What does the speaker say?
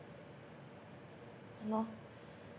あの。